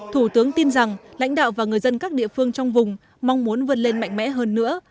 thủ tướng tin rằng lãnh đạo và người dân các địa phương trong vùng mong muốn vươn lên mạnh mẽ hơn nữa